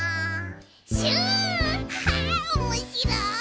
「シュおもしろい」